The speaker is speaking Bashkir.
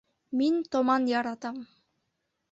Мин томан яратам